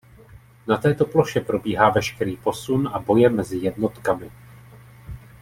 Na této ploše probíhá veškerý posun a boje mezi jednotkami.